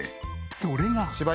それが。